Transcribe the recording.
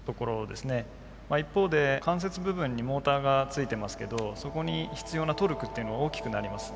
一方で関節部分にモーターがついてますけどそこに必要なトルクっていうのが大きくなります。